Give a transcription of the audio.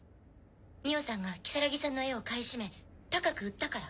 美緒さんが如月さんの絵を買い占め高く売ったから？